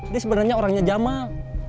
dia sebenarnya orangnya jamal